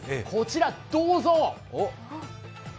こちら、どうぞ！